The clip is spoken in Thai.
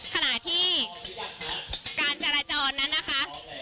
ขณะที่การจราจรนั้นนะคะ